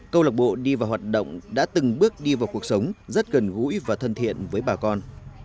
câu lạc bộ đi vào hoạt động đã từng bước đi vào cuộc sống rất gần gũi và thân thiện với bà con